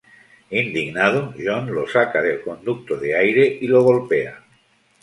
Indignado, John lo saca del conducto de aire y lo golpea.